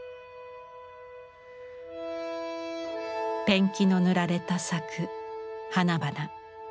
ペンキの塗られた柵花々。